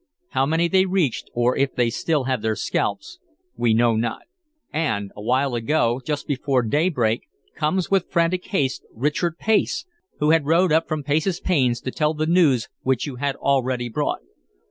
How many they reached, or if they still have their scalps, we know not. And awhile ago, just before daybreak, comes with frantic haste Richard Pace, who had rowed up from Pace's Pains to tell the news which you had already brought.